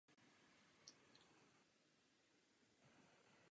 Domácí produkty mohou být v těchto aspektech nebezpečné.